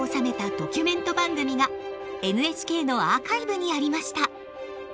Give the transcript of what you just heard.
ドキュメント番組がＮＨＫのアーカイブにありました。